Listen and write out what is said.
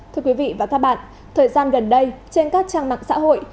thưa quý vị và các bạn thời gian gần đây trên các trang mạng xã hội